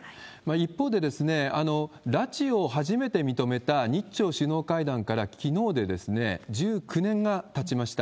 一方で、拉致を初めて認めた日朝首脳会談から、きのうで１９年がたちました。